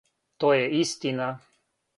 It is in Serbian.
То је истина!